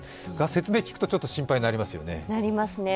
説明を聞くとちょっと心配になりますよね。